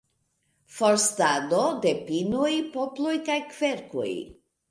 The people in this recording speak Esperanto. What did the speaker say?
Forstado de pinoj, poploj kaj kverkoj.